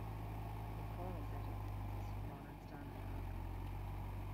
In formal settings, it consists of Modern Standard Arabic.